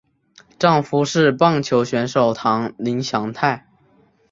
丈夫是棒球选手堂林翔太。